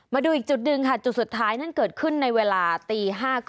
มาดูอีกจุดหนึ่งค่ะจุดสุดท้ายนั่นเกิดขึ้นในเวลาตี๕๙